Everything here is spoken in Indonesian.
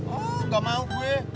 oh gak mau gue